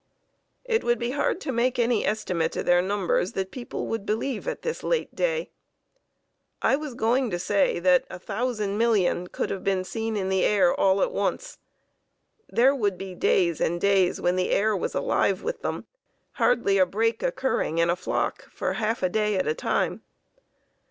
It would be hard to make any estimate of their numbers that people would believe at this late day. I was going to say that a thousand million could have been seen in the air all at once. There would be days and days when the air was alive with them, hardly a break occurring in a flock for half a day at a time.